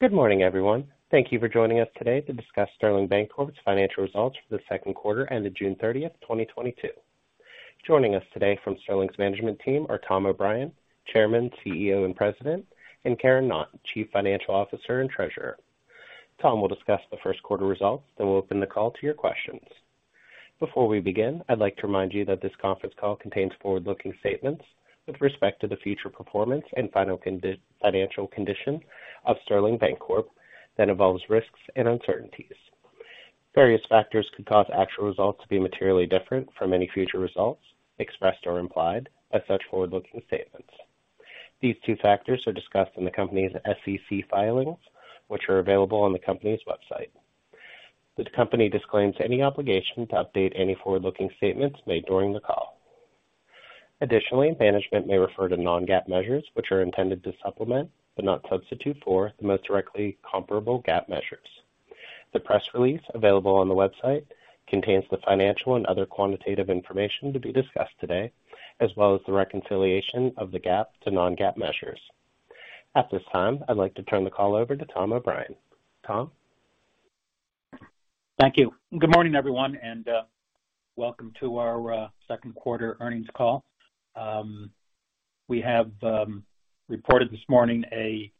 Good morning, everyone. Thank you for joining us today to discuss Sterling Bancorp's Financial Results for the Second Quarter ended June 30th, 2022. Joining us today from Sterling's management team are Tom O'Brien, Chairman, CEO, and President, and Karen Knott, Chief Financial Officer and Treasurer. Tom will discuss the second quarter results, then we'll open the call to your questions. Before we begin, I'd like to remind you that this conference call contains forward-looking statements with respect to the future performance and financial condition of Sterling Bancorp that involves risks and uncertainties. Various factors could cause actual results to be materially different from any future results expressed or implied by such forward-looking statements. These factors are discussed in the company's SEC filings, which are available on the company's website. The company disclaims any obligation to update any forward-looking statements made during the call. Additionally, management may refer to non-GAAP measures, which are intended to supplement, but not substitute for, the most directly comparable GAAP measures. The press release available on the website contains the financial and other quantitative information to be discussed today, as well as the reconciliation of the GAAP to non-GAAP measures. At this time, I'd like to turn the call over to Tom O'Brien. Tom? Thank you. Good morning, everyone, and welcome to our second quarter earnings call. We have reported this morning a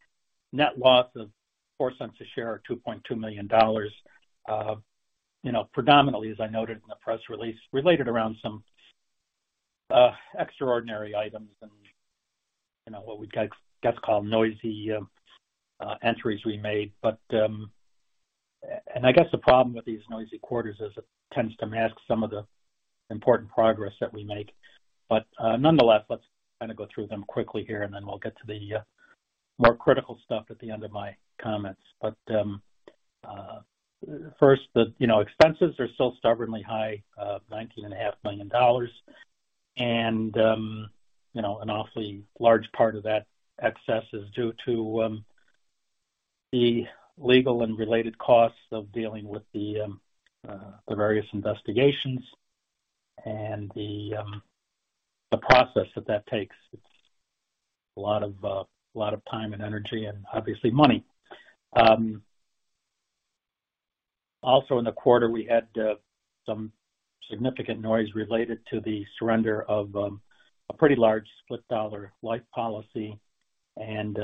net loss of $0.04 a share or $2.2 million. You know, predominantly, as I noted in the press release, related around some extraordinary items and, you know, what we'd guess call noisy entries we made. I guess the problem with these noisy quarters is it tends to mask some of the important progress that we make. Nonetheless, let's kind of go through them quickly here, and then we'll get to the more critical stuff at the end of my comments. First, you know, expenses are still stubbornly high, $19.5 million. You know, an awfully large part of that excess is due to the legal and related costs of dealing with the various investigations and the process that takes. It's a lot of time and energy and obviously money. Also in the quarter, we had some significant noise related to the surrender of a pretty large split dollar life policy and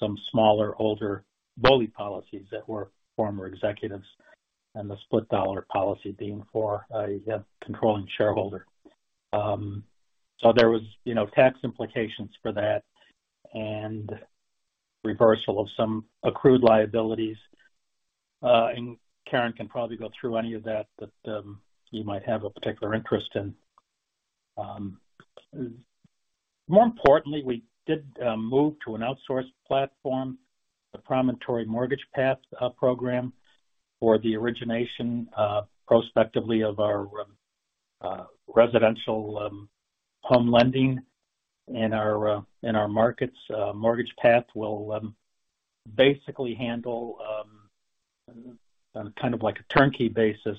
some smaller, older BOLI policies that were former executives and the split dollar policy being for a controlling shareholder. So there was, you know, tax implications for that and reversal of some accrued liabilities. Karen can probably go through any of that that you might have a particular interest in. More importantly, we did move to an outsourced platform, the Promontory MortgagePath program, for the origination prospectively of our residential home lending in our markets. MortgagePath will basically handle on kind of like a turnkey basis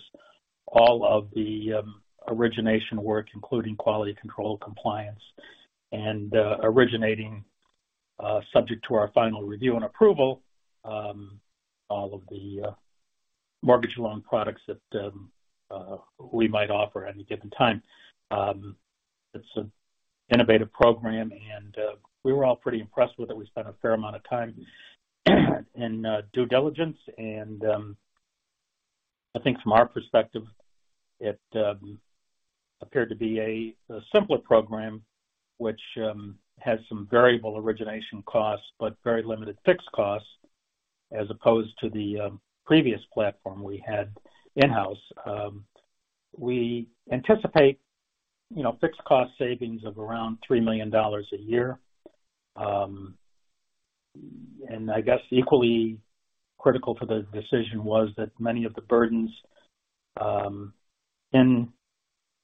all of the origination work, including quality control, compliance, and originating subject to our final review and approval all of the mortgage loan products that we might offer at any given time. It's an innovative program, and we were all pretty impressed with it. We spent a fair amount of time in due diligence. I think from our perspective, it appeared to be a simpler program which has some variable origination costs but very limited fixed costs as opposed to the previous platform we had in-house. We anticipate, you know, fixed cost savings of around $3 million a year. I guess equally critical to the decision was that many of the burdens in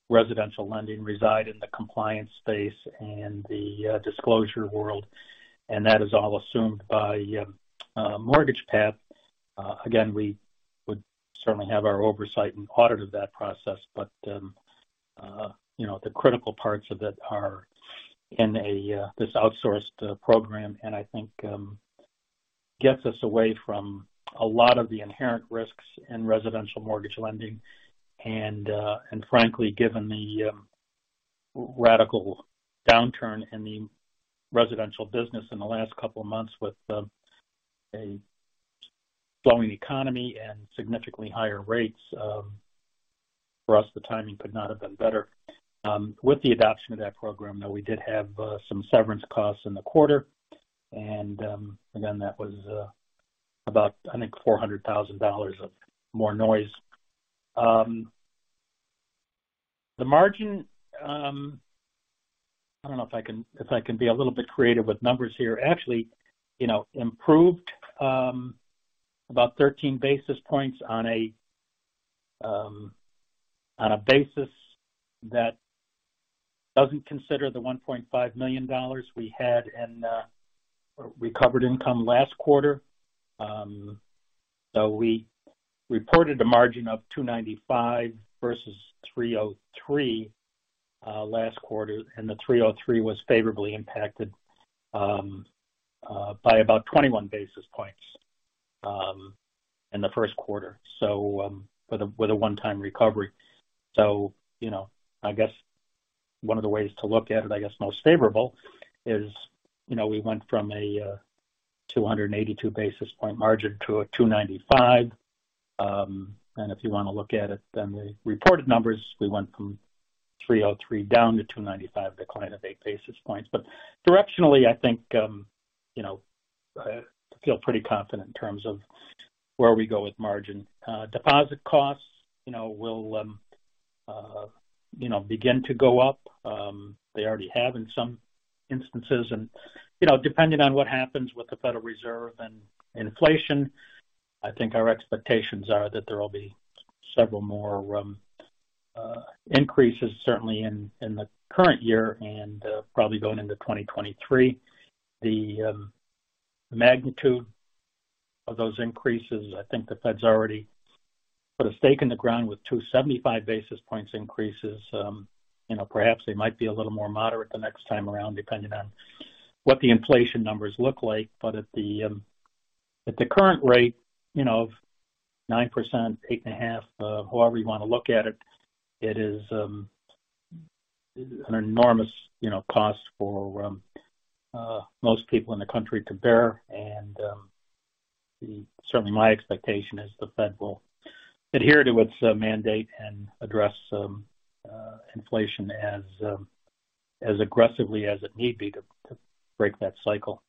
residential lending reside in the compliance space and the disclosure world, and that is all assumed by MortgagePath. Again, we would certainly have our oversight and audit of that process, but you know, the critical parts of it are in this outsourced program and I think gets us away from a lot of the inherent risks in residential mortgage lending. Frankly, given the radical downturn in the residential business in the last couple of months with a slowing economy and significantly higher rates, for us, the timing could not have been better. With the adoption of that program, though, we did have some severance costs in the quarter. Again, that was about, I think, $400,000 of more noise. The margin, I don't know if I can be a little bit creative with numbers here. Actually, you know, improved about 13 basis points on a basis that doesn't consider the $1.5 million we had in recovered income last quarter. We reported a margin of 2.95% versus 3.03% last quarter and the 3.03% was favorably impacted by about 21 basis points in the first quarter. With a one-time recovery. You know, I guess one of the ways to look at it, I guess most favorable is, you know, we went from a 282 basis point margin to a 295. And if you want to look at it by the reported numbers, we went from 303 down to 295, decline of 8 basis points. But directionally, I think, you know, I feel pretty confident in terms of where we go with margin. Deposit costs, you know, will begin to go up. They already have in some instances. And, you know, depending on what happens with the Federal Reserve and inflation, I think our expectations are that there will be several more increases certainly in the current year and probably going into 2023. The magnitude of those increases, I think the Fed's already put a stake in the ground with 275 basis points increases. You know, perhaps they might be a little more moderate the next time around, depending on what the inflation numbers look like. But at the current rate, you know, of 9%, 8.5%, however you wanna look at it is an enormous cost for most people in the country to bear. Certainly my expectation is the Fed will adhere to its mandate and address inflation as aggressively as it need be to break that cycle.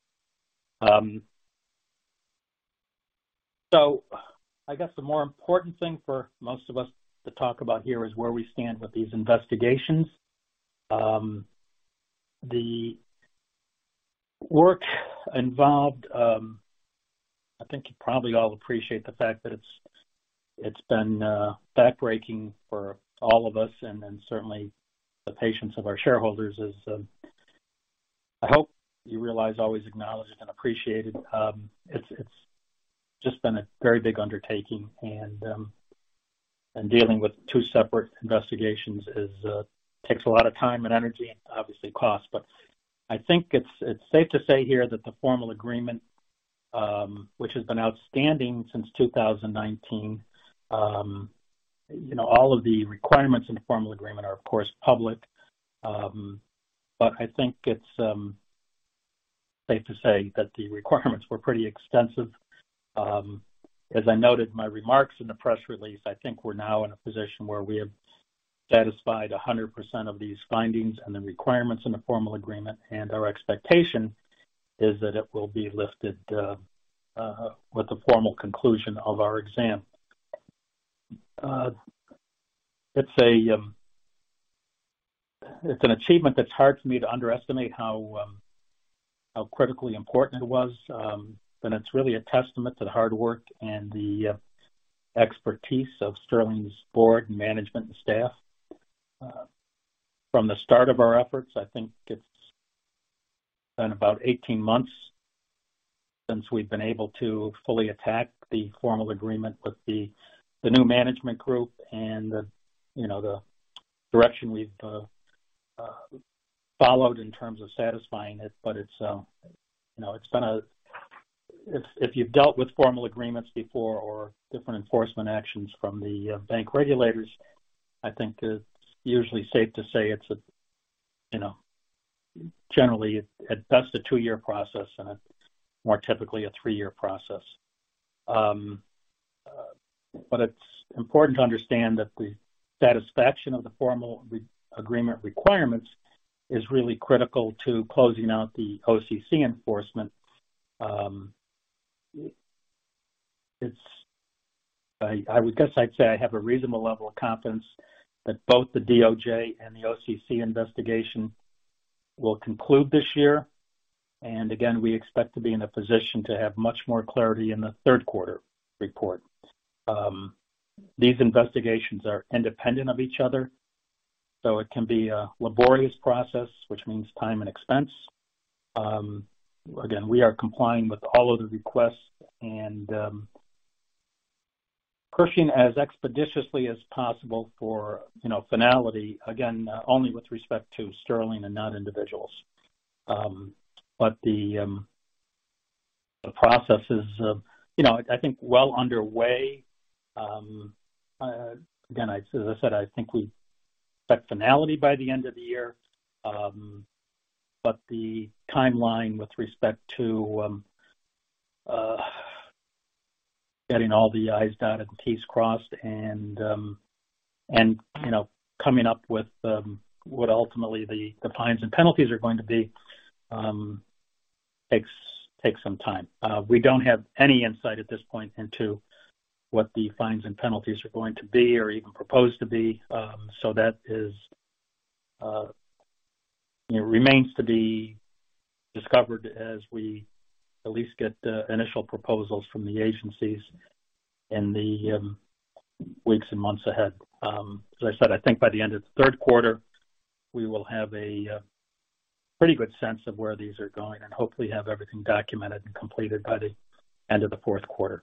I guess the more important thing for most of us to talk about here is where we stand with these investigations. The work involved, I think you probably all appreciate the fact that it's been backbreaking for all of us, and then certainly the patience of our shareholders is, I hope you realize, always acknowledged and appreciated. It's just been a very big undertaking and dealing with two separate investigations takes a lot of time and energy and obviously cost. I think it's safe to say here that the Formal Agreement, which has been outstanding since 2019, you know, all of the requirements in the Formal Agreement are of course public. I think it's safe to say that the requirements were pretty extensive. As I noted in my remarks in the press release, I think we're now in a position where we have satisfied 100% of these findings and the requirements in the Formal Agreement. Our expectation is that it will be lifted with the formal conclusion of our exam. It's an achievement that's hard for me to underestimate how critically important it was. It's really a testament to the hard work and the expertise of Sterling's board and management and staff. From the start of our efforts, I think it's been about 18 months since we've been able to fully attack the Formal Agreement with the new management group and the, you know, the direction we've followed in terms of satisfying it. It's, you know, it's been a. If you've dealt with formal agreements before or different enforcement actions from the bank regulators, I think it's usually safe to say it's a you know generally at best a two-year process and more typically a three-year process. It's important to understand that the satisfaction of the formal agreement requirements is really critical to closing out the OCC enforcement. I would guess I'd say I have a reasonable level of confidence that both the DOJ and the OCC investigation will conclude this year. Again, we expect to be in a position to have much more clarity in the third quarter report. These investigations are independent of each other, so it can be a laborious process, which means time and expense. Again, we are complying with all of the requests and pushing as expeditiously as possible for, you know, finality, again, only with respect to Sterling and not individuals. The process is, you know, I think well underway. Again, as I said, I think we expect finality by the end of the year. The timeline with respect to getting all the i's dotted and t's crossed and, you know, coming up with what ultimately the fines and penalties are going to be takes some time. We don't have any insight at this point into what the fines and penalties are going to be or even proposed to be. That is, you know, remains to be discovered as we at least get the initial proposals from the agencies in the weeks and months ahead. As I said, I think by the end of the third quarter, we will have a pretty good sense of where these are going and hopefully have everything documented and completed by the end of the fourth quarter.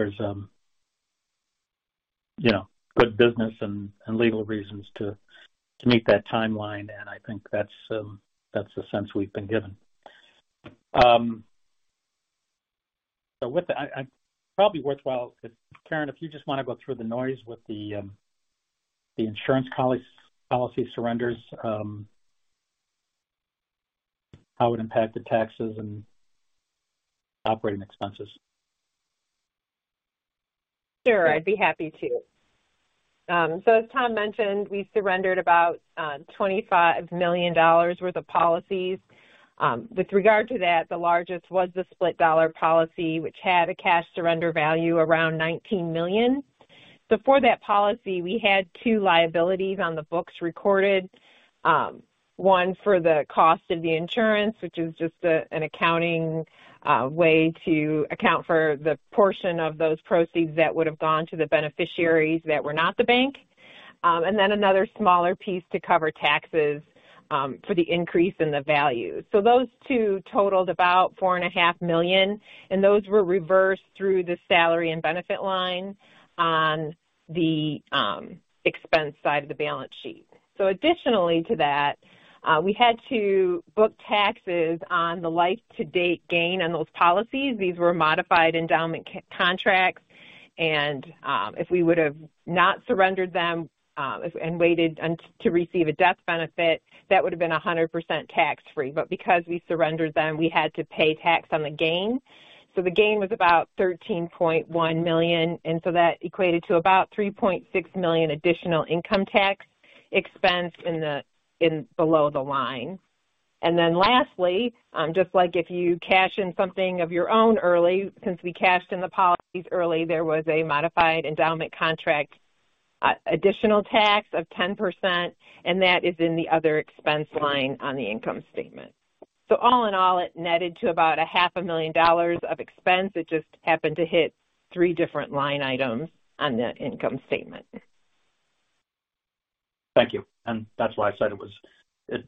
There's, you know, good business and legal reasons to meet that timeline, and I think that's the sense we've been given. With that, probably worthwhile if Karen if you just wanna go through the noise with the insurance policy surrenders, how it impacted taxes and operating expenses. Sure, I'd be happy to. As Tom mentioned, we surrendered about $25 million worth of policies. With regard to that, the largest was the split dollar policy, which had a cash surrender value around $19 million. For that policy, we had two liabilities on the books recorded, one for the cost of the insurance, which is just an accounting way to account for the portion of those proceeds that would have gone to the beneficiaries that were not the bank. Another smaller piece to cover taxes, for the increase in the value. Those two totaled about $4.5 million, and those were reversed through the salary and benefit line on the expense side of the balance sheet. Additionally to that, we had to book taxes on the life to date gain on those policies. These were Modified Endowment Contracts. If we would have not surrendered them and waited to receive a death benefit, that would have been 100% tax-free. Because we surrendered them, we had to pay tax on the gain. The gain was about $13.1 million, and that equated to about $3.6 million additional income tax expense in below the line. Then lastly, just like if you cash in something of your own early, since we cashed in the policies early, there was a Modified Endowment Contract additional tax of 10%, and that is in the other expense line on the income statement. All in all, it netted to about a $0.5 million of expense. It just happened to hit three different line items on the income statement. Thank you. That's why I said it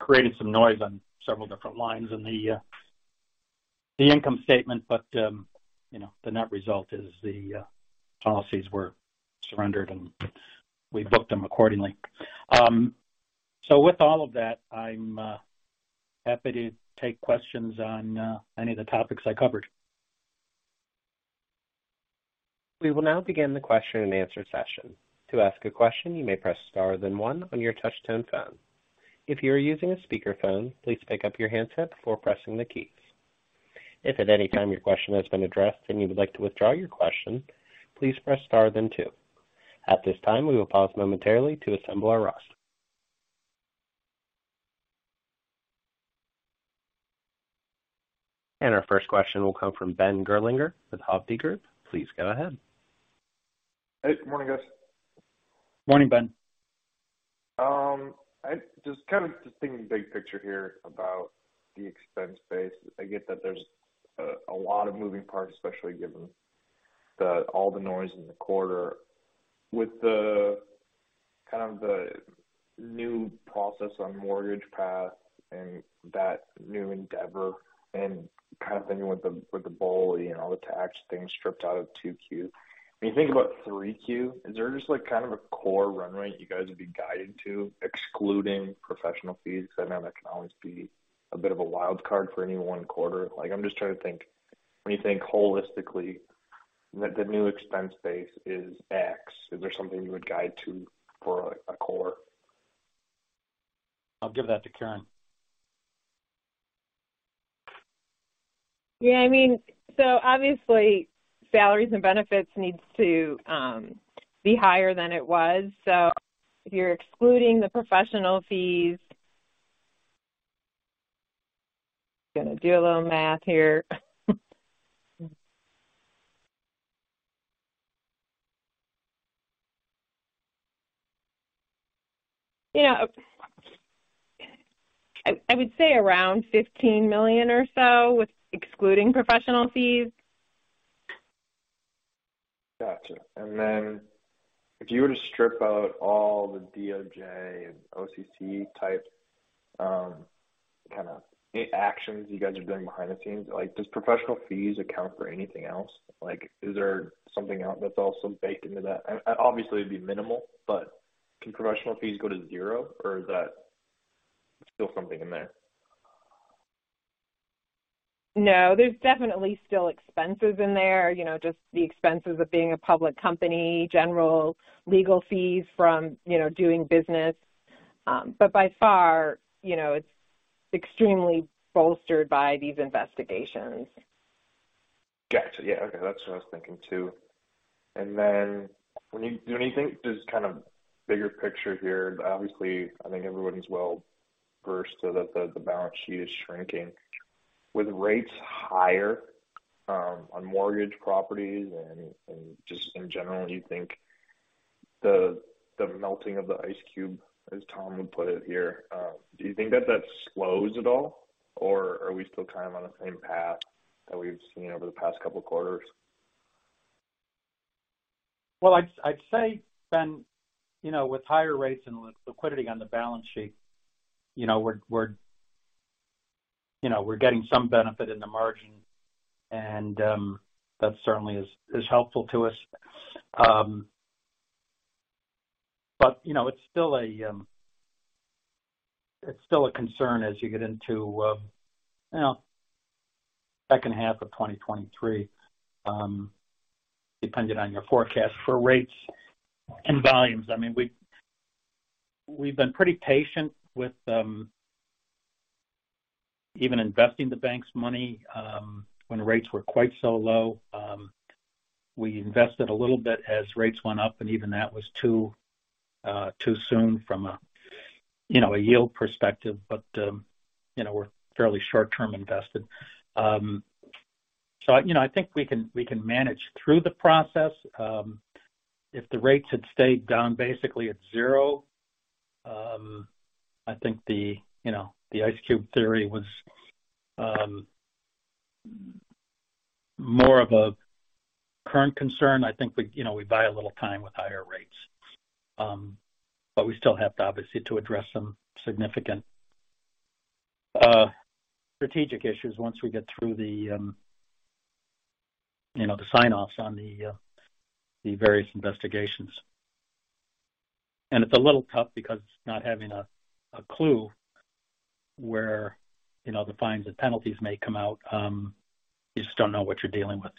created some noise on several different lines in the income statement. You know, the net result is the policies were surrendered, and we booked them accordingly. With all of that, I'm happy to take questions on any of the topics I covered. We will now begin the question-and-answer session. To ask a question, you may press star then one on your touch tone phone. If you are using a speakerphone, please pick up your handset before pressing the keys. If at any time your question has been addressed and you would like to withdraw your question, please press star then two. At this time, we will pause momentarily to assemble our roster. Our first question will come from Ben Gerlinger with Hovde Group. Please go ahead. Hey, good morning, guys. Morning, Ben. I just kind of thinking big picture here about the expense base. I get that there's a lot of moving parts, especially given all the noise in the quarter. With the kind of the new process on MortgagePath and that new endeavor and kind of thinking with the BOLI and all the tax things stripped out of 2Q, when you think about 3Q, is there just like kind of a core run rate you guys would be guided to excluding professional fees? Because I know that can always be a bit of a wild card for any one quarter. Like, I'm just trying to think when you think holistically the new expense base is X, is there something you would guide to for a core? I'll give that to Karen. Yeah, I mean, obviously salaries and benefits needs to be higher than it was. If you're excluding the professional fees. Gonna do a little math here. Yeah. I would say around $15 million or so with excluding professional fees. Gotcha. If you were to strip out all the DOJ and OCC type, kind of actions you guys are doing behind the scenes, like, does professional fees account for anything else? Like is there something else that's also baked into that? Obviously it'd be minimal, but can professional fees go to zero or is that still something in there? No, there's definitely still expenses in there. You know, just the expenses of being a public company, general legal fees from, you know, doing business. By far, you know, it's extremely bolstered by these investigations. Gotcha. Yeah. Okay. That's what I was thinking too. Do you think just kind of bigger picture here, obviously I think everyone's well versed that the balance sheet is shrinking. With rates higher, on mortgage properties and just in general, do you think the melting of the ice cube, as Tom would put it here, do you think that slows at all, or are we still kind of on the same path that we've seen over the past couple quarters? Well, I'd say, Ben, you know, with higher rates and liquidity on the balance sheet, you know, we're getting some benefit in the margin, and that certainly is helpful to us. You know, it's still a concern as you get into the second half of 2023, depending on your forecast for rates and volumes. I mean, we've been pretty patient with even investing the bank's money when rates were quite so low. We invested a little bit as rates went up, and even that was too soon from a yield perspective. You know, we're fairly short-term invested. I think we can manage through the process. If the rates had stayed down basically at zero, I think the, you know, the ice cube theory was more of a current concern. I think we, you know, we buy a little time with higher rates. But we still have to obviously to address some significant, strategic issues once we get through the, you know, the sign-offs on the various investigations. It's a little tough because not having a clue where, you know, the fines and penalties may come out. You just don't know what you're dealing with.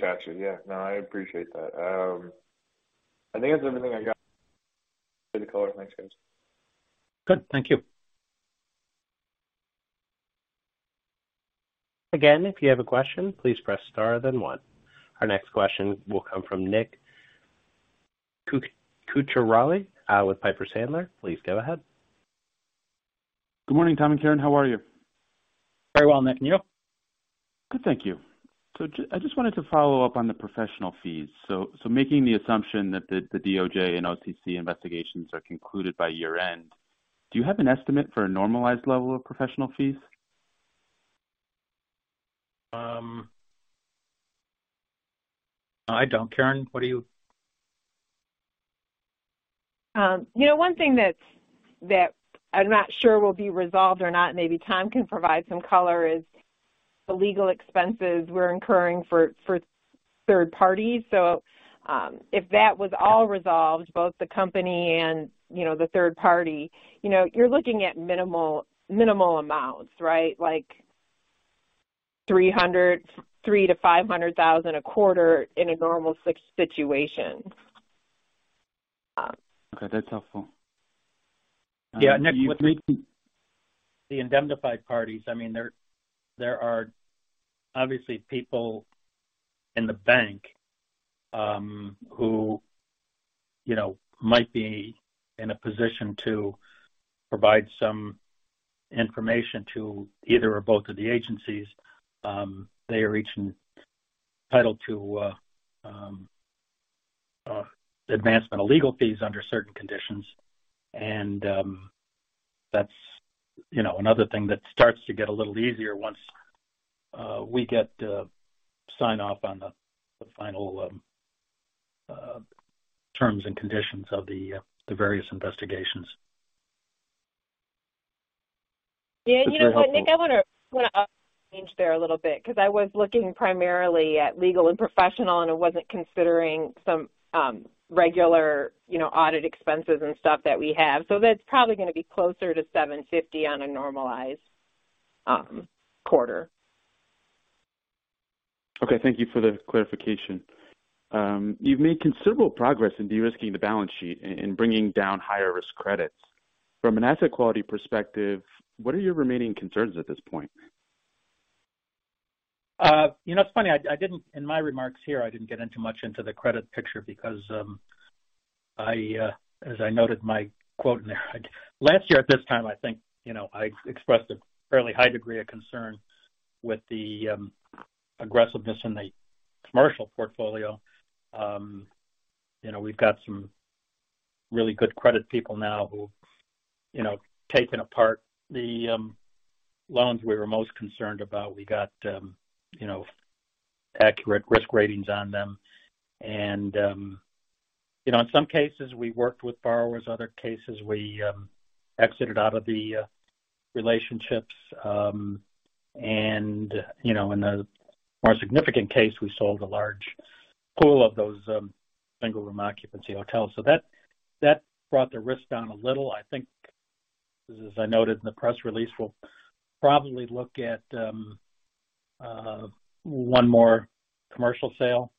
Got you. Yeah. No, I appreciate that. I think that's everything I got. Good. Thank you. Again, if you have a question, please press star then one. Our next question will come from Nick Cwikla with Piper Sandler. Please go ahead. Good morning, Tom and Karen. How are you? Very well, Nick. You? Good, thank you. I just wanted to follow up on the professional fees. Making the assumption that the DOJ and OCC investigations are concluded by year-end, do you have an estimate for a normalized level of professional fees? I don't. Karen, what do you? You know, one thing that I'm not sure will be resolved or not, maybe Tom can provide some color, is the legal expenses we're incurring for third parties. If that was all resolved, both the company and, you know, the third party, you know, you're looking at minimal amounts, right? Like $300000-$500000 a quarter in a normal situation. Okay. That's helpful. Yeah. Nick, Do you think? The indemnified parties, I mean, there are obviously people in the bank who, you know, might be in a position to provide some information to either or both of the agencies. They are each entitled to advancement of legal fees under certain conditions. That's, you know, another thing that starts to get a little easier once we get sign-off on the final terms and conditions of the various investigations. Yeah. You know what, Nick? That's very helpful. I wanna change there a little bit because I was looking primarily at legal and professional, and I wasn't considering some regular, you know, audit expenses and stuff that we have. That's probably gonna be closer to $750 on a normalized quarter. Okay. Thank you for the clarification. You've made considerable progress in de-risking the balance sheet and bringing down higher risk credits. From an asset quality perspective, what are your remaining concerns at this point? You know, it's funny. I didn't get into the credit picture because, as I noted my quote in there. Last year at this time, I think, you know, I expressed a fairly high degree of concern with the aggressiveness in the commercial portfolio. You know, we've got some really good credit people now who, you know, taken apart the loans we were most concerned about. We got, you know, accurate risk ratings on them. And, you know, in some cases we worked with borrowers, other cases we exited out of the relationships. And, you know, in a more significant case, we sold a large pool of those single-room occupancy hotels. That brought the risk down a little. I think, as I noted in the press release, we'll probably look at one more commercial sale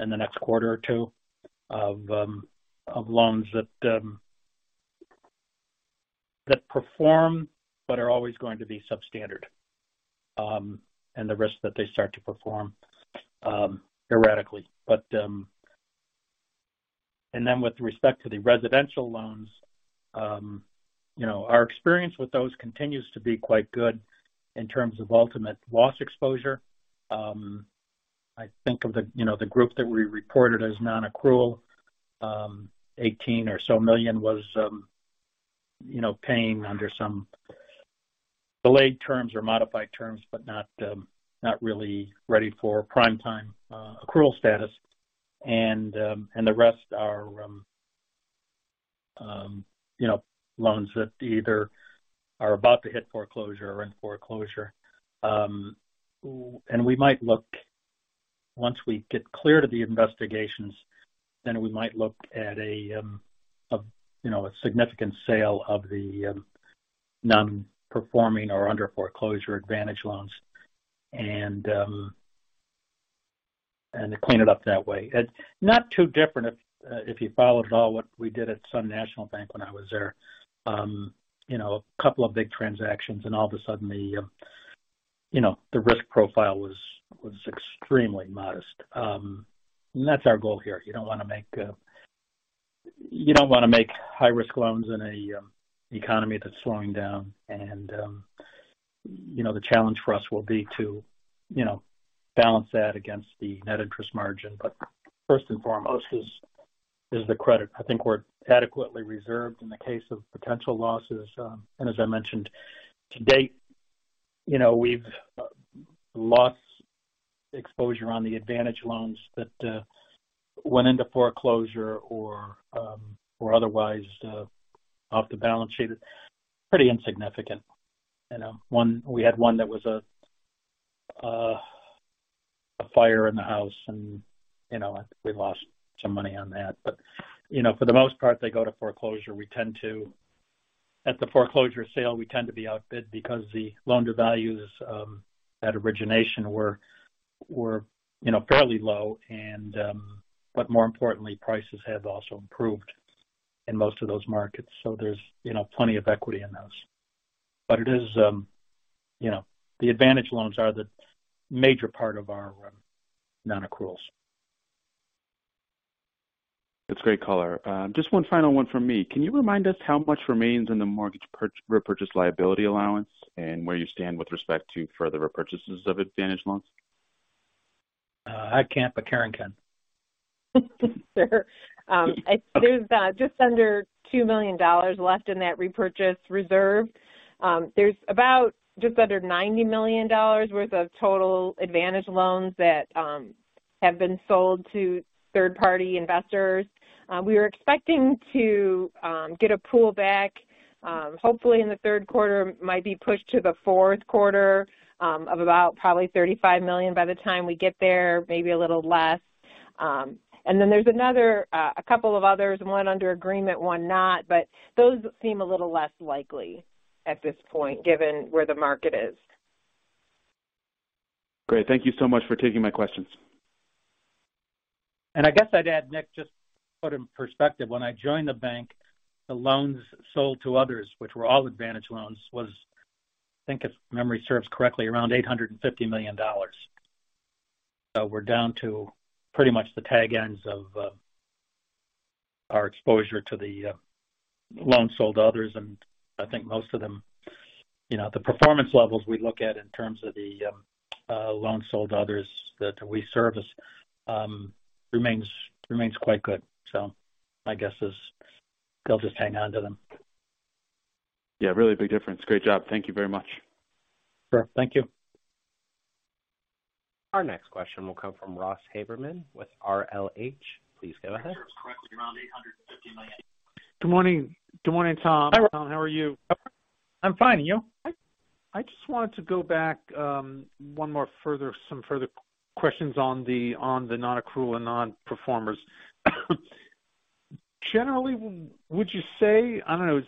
in the next quarter or two of loans that perform but are always going to be substandard, and the risk that they start to perform erratically. With respect to the residential loans, you know, our experience with those continues to be quite good in terms of ultimate loss exposure. I think of the group that we reported as non-accrual, $18 million or so was paying under some delayed terms or modified terms, but not really ready for prime time accrual status. The rest are, you know, loans that either are about to hit foreclosure or in foreclosure. Once we get clear to the investigations, then we might look at a, you know, a significant sale of the non-performing or under foreclosure Advantage loans and clean it up that way. It's not too different if you followed at all what we did at Sun National Bank when I was there. You know, a couple of big transactions, and all of a sudden the, you know, the risk profile was extremely modest. That's our goal here. You don't wanna make high-risk loans in a economy that's slowing down. You know, the challenge for us will be to, you know, balance that against the net interest margin. First and foremost is the credit. I think we're adequately reserved in the case of potential losses. As I mentioned, to date, you know, we've lost exposure on the Advantage loans that went into foreclosure or otherwise off the balance sheet. Pretty insignificant. You know, we had one that was a fire in the house and, you know, we lost some money on that. You know, for the most part, they go to foreclosure. At the foreclosure sale, we tend to be outbid because the loan-to-value at origination were, you know, fairly low and, but more importantly, prices have also improved in most of those markets. There's, you know, plenty of equity in those. It is, you know, the Advantage loans are the major part of our non-accruals. That's great color. Just one final one from me. Can you remind us how much remains in the mortgage repurchase liability allowance and where you stand with respect to further repurchases of Advantage loans? I can't, but Karen can. Sure. There's just under $2 million left in that repurchase reserve. There's about just under $90 million worth of total Advantage loans that have been sold to third-party investors. We were expecting to get a pool back, hopefully in the third quarter, might be pushed to the fourth quarter, of about probably $35 million by the time we get there, maybe a little less. And then there's another, a couple of others, one under agreement, one not. Those seem a little less likely at this point, given where the market is. Great. Thank you so much for taking my questions. I guess I'd add, Nick, just to put in perspective, when I joined the bank, the loans sold to others, which were all Advantage loans, was, I think, if memory serves correctly, around $850 million. We're down to pretty much the tag ends of our exposure to the loans sold to others, and I think most of them, you know, the performance levels we look at in terms of the loans sold to others that we service remains quite good. My guess is they'll just hang on to them. Yeah. Really big difference. Great job. Thank you very much. Sure. Thank you. Our next question will come from Ross Haberman with RLH. Please go ahead. If memory serves correctly, around $850 million. Good morning. Good morning, Tom. Hi, Ross. How are you? I'm fine. You? I just wanted to go back, one more further, some further questions on the non-accrual and non-performers. Generally, would you say, I don't know,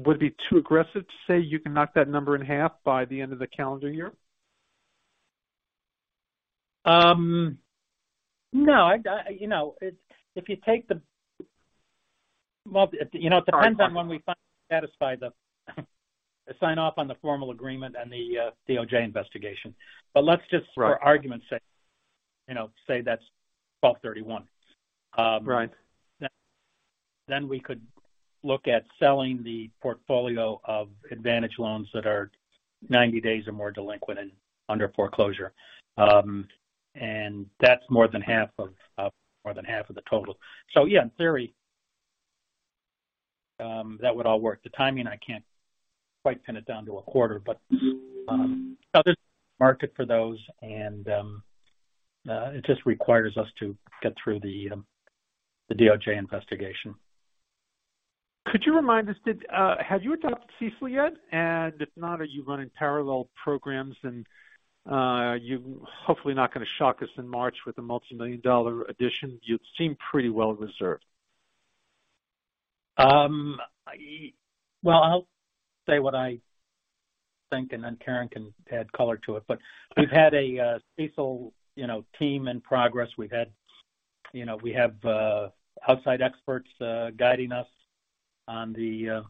would it be too aggressive to say you can knock that number in half by the end of the calendar year? No. I, you know, it's if you take the, well, you know, it depends. Sorry. -on when we finally satisfy the sign off on the Formal Agreement and the DOJ investigation. Let's just- Right. For argument's sake, you know, say that's 12/31. Right. We could look at selling the portfolio of Advantage loans that are 90 days or more delinquent and under foreclosure. That's more than half of the total. Yeah, in theory, that would all work. The timing, I can't quite pin it down to a quarter, but there's a market for those and it just requires us to get through the DOJ investigation. Could you remind us, have you adopted CECL yet? If not, are you running parallel programs and you're hopefully not gonna shock us in March with a multimillion-dollar addition. You seem pretty well reserved. Well, I'll say what I think, and then Karen can add color to it. We've had a CECL, you know, team in progress. We've had, you know, we have outside experts guiding us on the,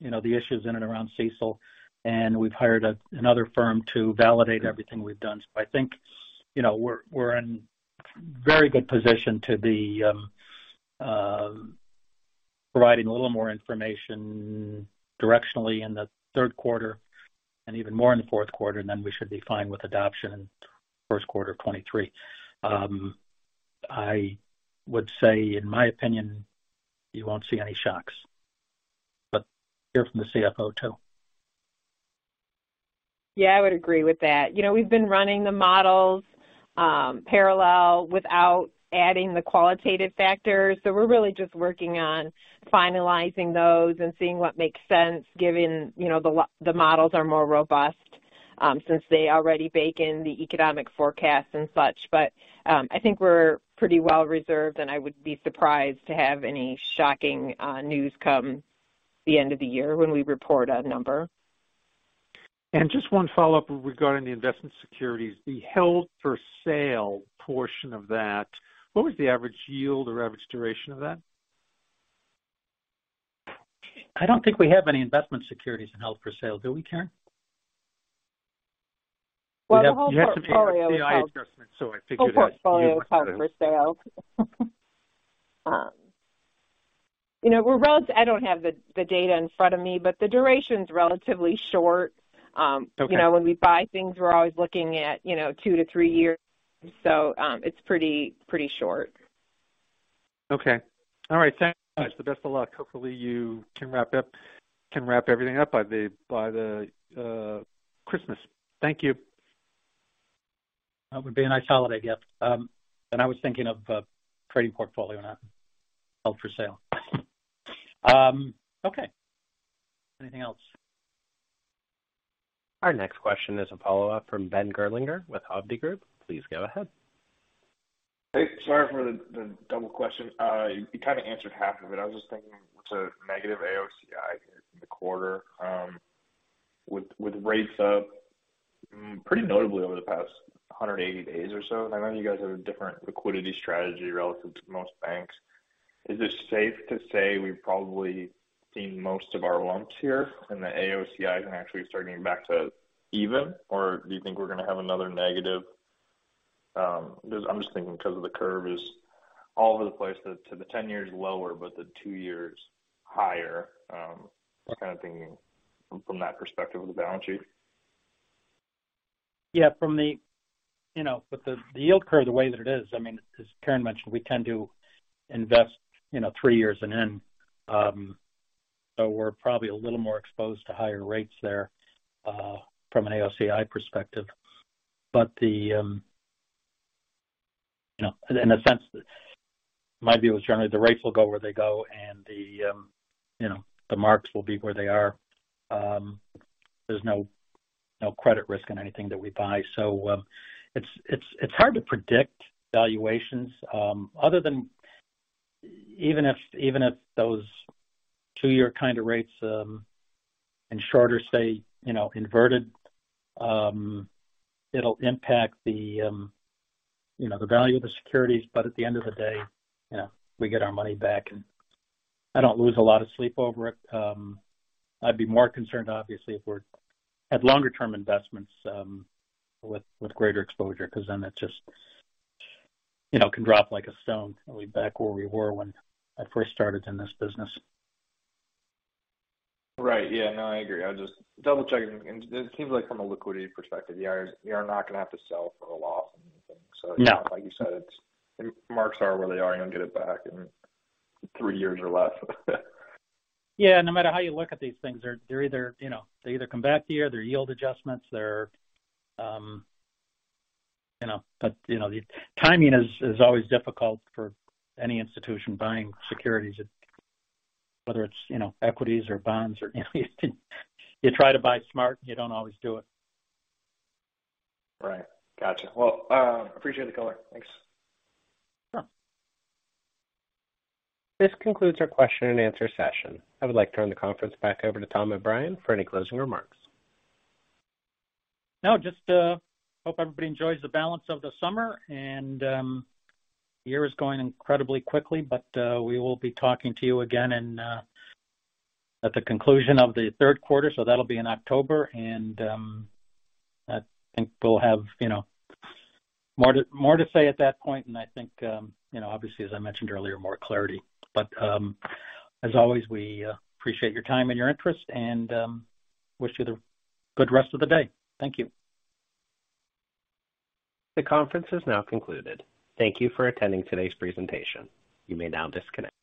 you know, the issues in and around CECL, and we've hired another firm to validate everything we've done. I think, you know, we're in very good position to be providing a little more information directionally in the third quarter and even more in the fourth quarter, and then we should be fine with adoption in first quarter 2023. I would say, in my opinion, you won't see any shocks, but hear from the CFO too. Yeah, I would agree with that. You know, we've been running the models parallel without adding the qualitative factors. We're really just working on finalizing those and seeing what makes sense given, you know, the models are more robust since they already bake in the economic forecasts and such. I think we're pretty well reserved, and I would be surprised to have any shocking news come the end of the year when we report a number. Just one follow-up regarding the investment securities. The held for sale portion of that, what was the average yield or average duration of that? I don't think we have any investment securities in held for sale. Do we, Karen? Well, the whole portfolio. You have to make the I adjustment, so I figured that you must have. The whole portfolio is held for sale. You know, I don't have the data in front of me, but the duration's relatively short. Okay. You know, when we buy things, we're always looking at, you know, 2-3 years. It's pretty short. Okay. All right. Thanks so much. The best of luck. Hopefully you can wrap everything up by Christmas. Thank you. That would be a nice holiday gift. I was thinking of trading portfolio, not held for sale. Okay. Anything else? Our next question is a follow-up from Ben Gerlinger with Hovde Group. Please go ahead. Hey. Sorry for the the double question. You kind of answered half of it. I was just thinking about negative AOCI in the quarter, with rates up pretty notably over the past 180 days or so. I know you guys have a different liquidity strategy relative to most banks. Is it safe to say we've probably seen most of our lumps here and the AOCI is actually starting back to even? Or do you think we're gonna have another negative? I'm just thinking because the curve is all over the place. So the 10-year is lower, but the 2-year is higher. Yeah. I'm kind of thinking from that perspective of the balance sheet. Yeah, you know, with the yield curve the way that it is, I mean, as Karen mentioned, we tend to invest, you know, three years and in. We're probably a little more exposed to higher rates there from an AOCI perspective. You know, in a sense, my view is generally the rates will go where they go and the you know, the marks will be where they are. There's no credit risk in anything that we buy. It's hard to predict valuations other than even if those two-year kind of rates and shorter stay you know, inverted it'll impact the you know, the value of the securities. At the end of the day, you know, we get our money back and I don't lose a lot of sleep over it. I'd be more concerned obviously if we're at longer term investments, with greater exposure, because then it's just, you know, can drop like a stone back where we were when I first started in this business. Right. Yeah. No, I agree. I was just double checking. It seems like from a liquidity perspective, you guys, you're not going to have to sell for a loss or anything. No. Like you said, it's marks are where they are. You'll get it back in three years or less. Yeah. No matter how you look at these things, they're either, you know, they either come back to you, they're yield adjustments, you know. You know, the timing is always difficult for any institution buying securities, whether it's, you know, equities or bonds or anything. You try to buy smart, you don't always do it. Right. Gotcha. Well, appreciate the color. Thanks. Sure. This concludes our question-and-answer session. I would like to turn the conference back over to Tom O'Brien for any closing remarks. No, just to hope everybody enjoys the balance of the summer and the year is going incredibly quickly, but we will be talking to you again at the conclusion of the third quarter. That'll be in October. I think we'll have, you know, more to say at that point. I think, you know, obviously as I mentioned earlier, more clarity. As always, we appreciate your time and your interest and wish you a good rest of the day. Thank you. The conference is now concluded. Thank you for attending today's presentation. You may now disconnect.